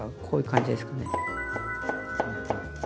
こういう感じですかね。